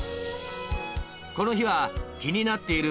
この日は気になっている